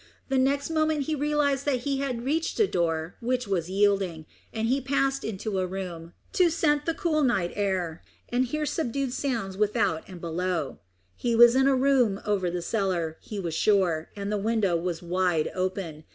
The next moment he realised that he had reached a door, which was yielding, and he passed into a room, to scent the cool night air, and hear subdued sounds without and below. He was in a room over the cellar, he was sure, and the window was wide open.